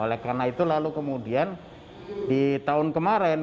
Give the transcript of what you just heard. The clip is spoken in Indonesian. oleh karena itu lalu kemudian di tahun kemarin itu pandi bekerja sama kita ya dan kita juga berkonten